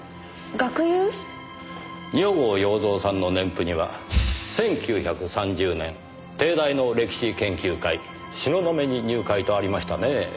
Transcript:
二百郷洋蔵さんの年譜には「１９３０年帝大の歴史研究会・東雲に入会」とありましたねぇ。